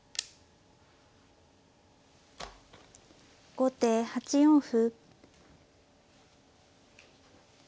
後手８四歩。